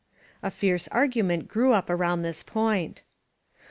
A fierce argument grew up around this point.